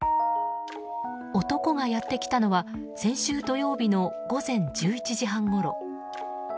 男がやってきたのは先週土曜日の午前１１時半ごろ。